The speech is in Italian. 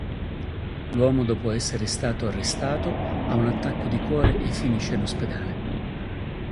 L'uomo dopo essere stato arrestato, ha un attacco di cuore e finisce in ospedale.